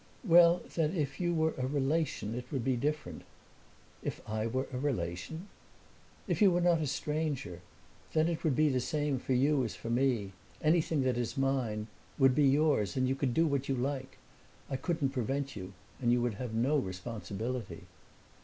"Well, that if you were a relation it would be different." "If I were a relation?" "If you were not a stranger. Then it would be the same for you as for me. Anything that is mine would be yours, and you could do what you like. I couldn't prevent you and you would have no responsibility."